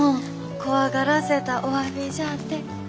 怖がらせたおわびじゃあて。